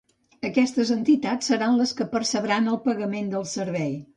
Aquestes entitats seran les que percebran el pagament del servei.